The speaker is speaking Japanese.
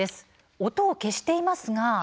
音を消していますが。